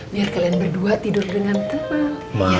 biar kalian berdua tidur dengan tenang